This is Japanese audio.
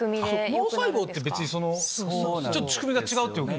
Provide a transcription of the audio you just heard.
脳細胞って別に、ちょっと仕組みが違うってこと？